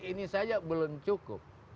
ini saja belum cukup